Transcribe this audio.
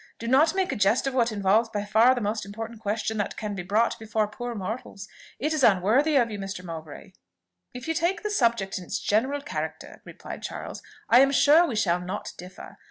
Do not make a jest of what involves by far the most important question that can be brought before poor mortals: it is unworthy of you, Mr. Mowbray." "If you take the subject in its general character," replied Charles, "I am sure we shall not differ.